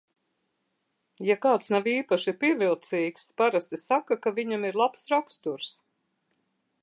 Ja kāds nav īpaši pievilcīgs, parasti saka, ka viņam ir labs raksturs.